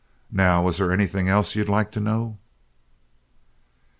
Now was there anything else you'd like to know?"